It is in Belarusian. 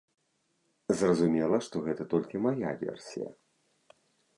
Зразумела, што гэта толькі мая версія.